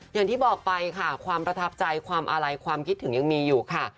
อย่างที่บอกไปค่ะความประทับใจความอาลัยความคิดถึงยังมีอยู่ค่ะ